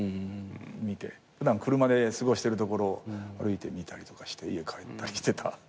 見て普段車で過ごしてるところ歩いてみたりとかして家帰ったりしてた。